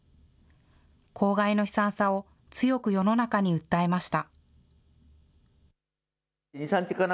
公害の悲惨さを強く世の中に訴えました。